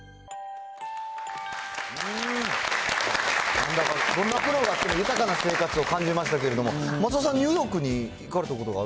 なんだか、こんな苦労があっても豊かな生活を感じましたけれども、松尾さん、ニューヨークに行かれたことがある？